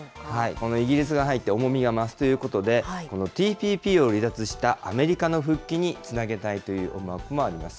このイギリスが入って、重みが増すということで、ＴＰＰを離脱したアメリカの復帰につなげたいという思惑もあります。